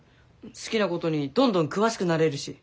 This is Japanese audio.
好きなことにどんどん詳しくなれるし。